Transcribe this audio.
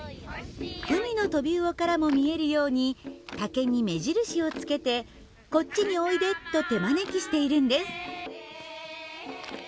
海のトビウオからも見えるように竹に目印をつけて「こっちにおいで」と手招きしているんです。